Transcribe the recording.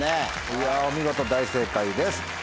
いやお見事大正解です。